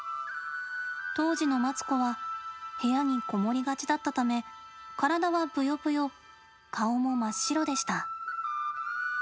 当時のマツコは部屋に籠もりがちだったため、体はぶよぶよ顔も真っ白でした。